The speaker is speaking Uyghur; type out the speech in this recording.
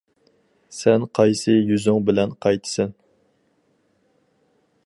سەن قايسى يۈزۈڭ بىلەن قايتىسەن؟ !